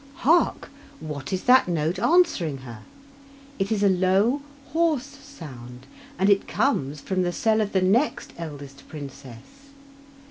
Hark! What is that note answering her? It is a low, hoarse sound, and it comes from the cell of the next eldest princess.